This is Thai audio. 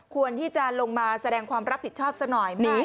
ควรที่จะลงมาแสดงความรับผิดชอบซะหน่อย